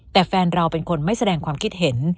แต่แฟนเราเป็นคนไม่แสดงความคิดเห็น